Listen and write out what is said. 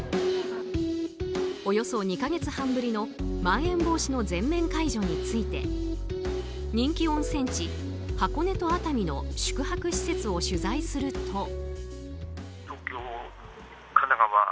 およそ２か月半ぶりのまん延防止の全面解除について人気温泉地、箱根と熱海の宿泊施設を取材すると。